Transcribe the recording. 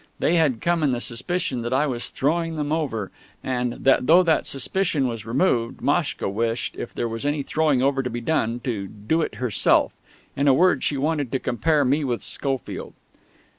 They had come in the suspicion that I was throwing them over, and, though that suspicion was removed, Maschka wished, if there was any throwing over to be done, to do it herself. In a word, she wanted to compare me with Schofield.